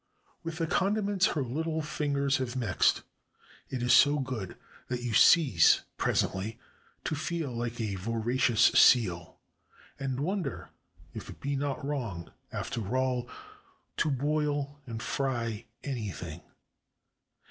With the condiments her little fingers have mixed, it is so good that you cease pres ently to feel Uke a voracious seal, and wonder if it be not wrong, after all, to boil and fry anything.